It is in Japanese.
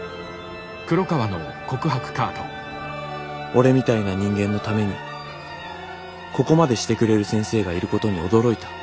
「俺みたいな人間のためにここまでしてくれる先生がいることに驚いた。